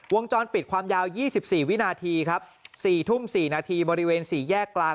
วงจรปิดความยาว๒๔วินาทีครับ๔ทุ่ม๔นาทีบริเวณ๔แยกกลาง